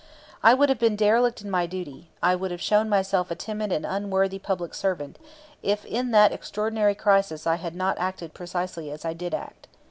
I would have been derelict in my duty, I would have shown myself a timid and unworthy public servant, if in that extraordinary crisis I had not acted precisely as I did act.